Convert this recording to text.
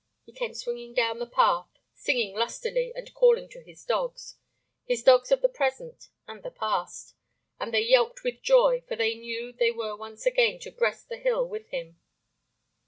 He came swinging down the path, singing lustily, and calling to his dogs, his dogs of the present and the past; and they yelped with joy, for they knew they were once again to breast the hill with him.